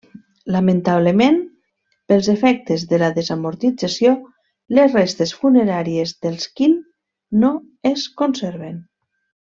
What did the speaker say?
Lamentablement, pels efectes de la Desamortització, les restes funeràries dels Quint no es conserven.